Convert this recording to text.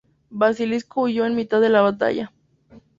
Basilisco huyó en mitad de la batalla.